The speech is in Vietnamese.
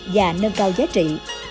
và nâng cao giá trị